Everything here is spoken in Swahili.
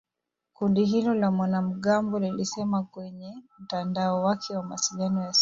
Kundi hilo la wanamgambo lilisema kwenye mtandao wake wa mawasiliano ya simu